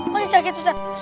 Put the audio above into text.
kok masih sakit ustadz